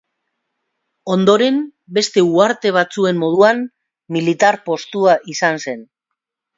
Ondoren, beste uharte batzuen moduan, militar-postua izan zen.